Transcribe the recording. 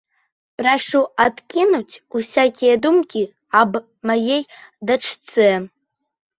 Прашу адкінуць усякія думкі аб маей дачцэ.